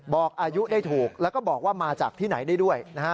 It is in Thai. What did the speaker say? บอกอายุได้ถูกแล้วก็บอกว่ามาจากที่ไหนได้ด้วยนะฮะ